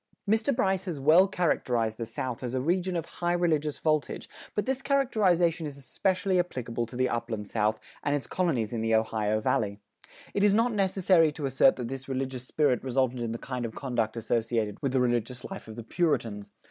Mr. Bryce has well characterized the South as a region of "high religious voltage," but this characterization is especially applicable to the Upland South, and its colonies in the Ohio Valley. It is not necessary to assert that this religious spirit resulted in the kind of conduct associated with the religious life of the Puritans.